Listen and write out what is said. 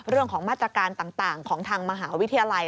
เรื่องของมาตรการต่างของทางมหาวิทยาลัย